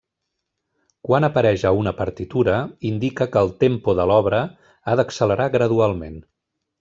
Quan apareix a una partitura indica que el tempo de l'obra ha d'accelerar gradualment.